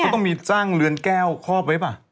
ต้องมีจ้างเรือนแก้วครอบไว้ป่ะ